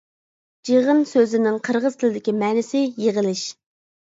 جىغىن سۆزىنىڭ قىرغىز تىلىدىكى مەنىسى «يىغىلىش» .